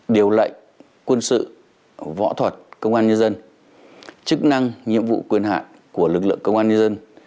điều lệnh quân sự võ thuật công an nhân dân chức năng nhiệm vụ quyền hạn của lực lượng công an nhân dân